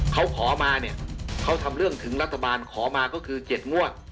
เขาขอมาเนี่ยเขาทำเรื่องถึงรัฐบาลขอมาก็คือ๗งวด